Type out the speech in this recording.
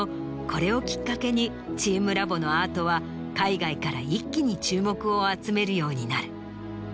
これをきっかけにチームラボのアートは海外から一気に注目を集めるようになる。